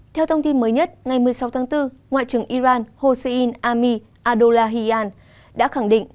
theo thông tin mới nhất ngày một mươi sáu tháng bốn ngoại trưởng iran hossein ami adullahian đã khẳng định